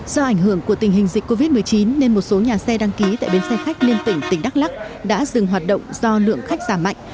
do ảnh hưởng của tình hình dịch covid một mươi chín nên một số nhà xe đăng ký tại bến xe khách liên tỉnh tỉnh đắk lắc đã dừng hoạt động do lượng khách giảm mạnh